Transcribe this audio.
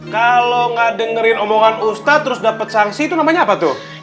kalau nggak dengerin omongan ustadz terus dapat sanksi itu namanya apa tuh